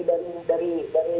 dan ada kemimpi